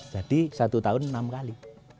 jadi satu tahun enam kali